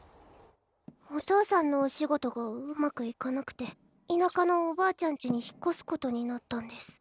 お父さんのお仕事がうまくいかなくて田舎のおばあちゃんちに引っ越すことになったんです。